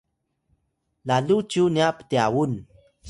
lalu cyu nya ptyawun?